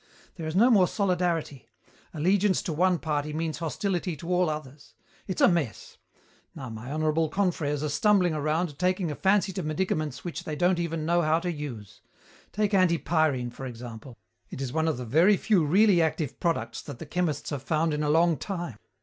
There is no more solidarity. Allegiance to one party means hostility to all others. Its a mess. Now my honourable confrères are stumbling around, taking a fancy to medicaments which they don't even know how to use. Take antipyrine, for example. It is one of the very few really active products that the chemists have found in a long time.